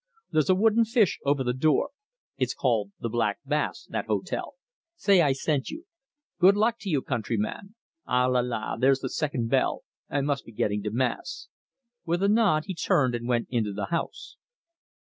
There's a wooden fish over the door. It's called The Black Bass that hotel. Say I sent you. Good luck to you, countryman! Ah, la; la, there's the second bell I must be getting to Mass!" With a nod he turned and went into the house.